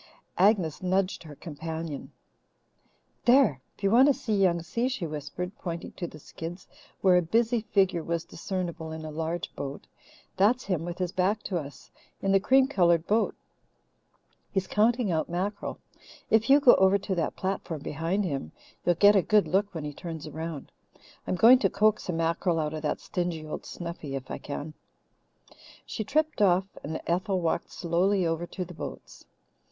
Agnes nudged her companion. "There! If you want to see Young Si," she whispered, pointing to the skids, where a busy figure was discernible in a large boat, "that's him, with his back to us, in the cream coloured boat. He's counting out mackerel. If you go over to that platform behind him, you'll get a good look when he turns around. I'm going to coax a mackerel out of that stingy old Snuffy, if I can." She tripped off, and Ethel walked slowly over to the boats.